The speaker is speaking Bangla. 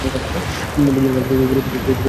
ভক্তিতে মানুষকে উপরের দিকে তুলে সমান করতে চায়।